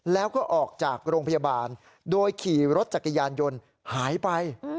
แล้วก็ออกจากโรงพยาบาลโดยขี่รถจักรยานยนต์หายไป